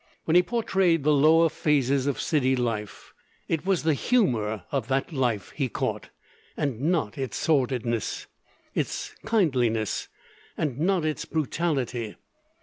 When he portrayed the lower phases of city life, it was the humor of that life he caught, and not its sordidness; its kindliness, and not its brutality.